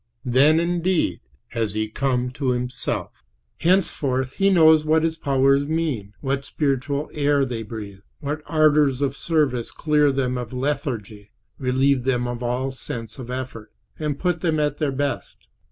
Then, indeed, has he come to himself. Henceforth he knows what his powers mean, what spiritual air they breathe, what ardors of service clear them of lethargy, relieve them of all sense of effort, put them at their best.